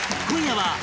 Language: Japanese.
今夜は